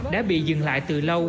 đã bị dừng lại từ lâu